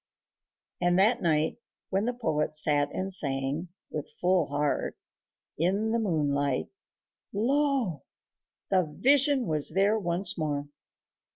And that night, when the poet sat and sang, with full heart, in the moonlight lo! the vision was there once more....